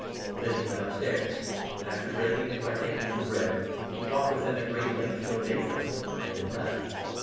Then he went upstairs ; and, after breaking and partaking of n the Bread, he talked with them at great length till daybreak, and then left.